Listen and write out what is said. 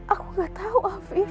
aku gak tau afif